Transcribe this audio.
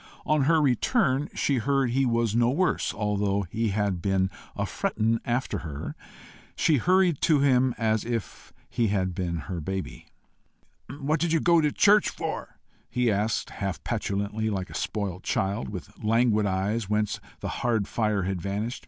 On her return she heard he was no worse, although he had "been a frettin' after her." She hurried to him as if he had been her baby. "What do you go to church for?" he asked, half petulantly, like a spoilt child, with languid eyes whence the hard fire had vanished.